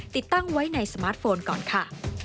ติดตั้งไว้ในสมาร์ทโฟนก่อนค่ะ